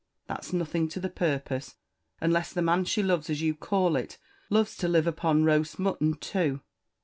"That's nothing to the purpose, unless the man she loves, as you call it, loves to live upon roast mutton too.